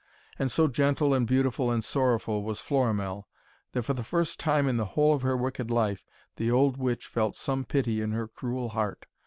And so gentle and beautiful and sorrowful was Florimell, that, for the first time in the whole of her wicked life, the old witch felt some pity in her cruel heart.